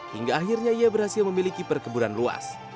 hingga akhirnya ia berhasil memiliki perkebunan luas